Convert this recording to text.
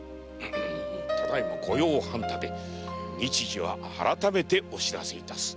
ただいま御用繁多で日時は改めてお知らせいたす。